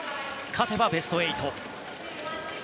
勝てばベスト８。